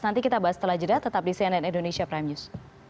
nanti kita bahas setelah jeda tetap di cnn indonesia prime news